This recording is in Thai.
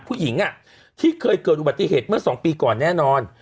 ผู้หญิงที่เคยเกิดอุบัติเหตุเมื่อ๒ปีก่อนแน่นอน